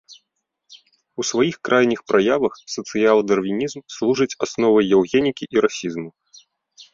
У сваіх крайніх праявах сацыял-дарвінізм служыць асновай еўгенікі і расізму.